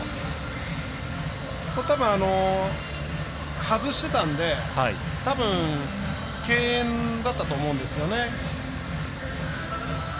たぶん、外してたので敬遠だったと思うんですよね。